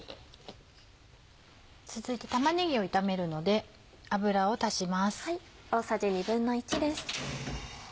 続いて玉ねぎを炒めるので油を足します。